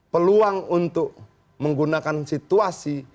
peluang untuk menggunakan situasi